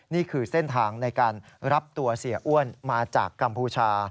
นี่คือเส้นทางในการรับตัวเสียอ้วนมาจากกัมพูชา